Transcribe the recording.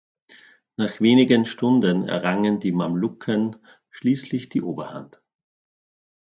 Nach wenigen Stunden errangen die Mamluken schließlich die Oberhand.